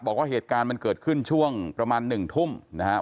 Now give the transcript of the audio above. บอกว่าเหตุการณ์มันเกิดขึ้นช่วงประมาณ๑ทุ่มนะครับ